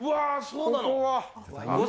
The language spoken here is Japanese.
そうなの。